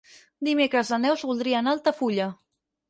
Dimecres na Neus voldria anar a Altafulla.